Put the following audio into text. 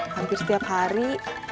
hampir setiap hari